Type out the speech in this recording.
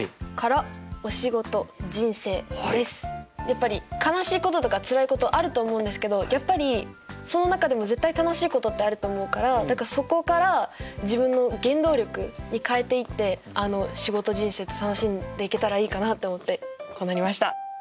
やっぱり悲しいこととか辛いことあると思うんですけどやっぱりその中でも絶対楽しいことってあると思うからだからそこから自分の原動力に変えていって仕事人生と楽しんでいけたらいいかなと思ってこうなりました。